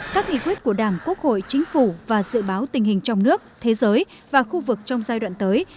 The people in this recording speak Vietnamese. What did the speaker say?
các nghị quyết của đảng quốc hội chính phủ và dự báo tình hình trong nước thế giới và khu vực trong giai đoạn tới